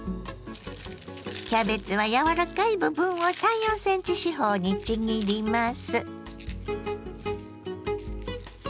キャベツは柔らかい部分を３４ｃｍ四方にちぎります。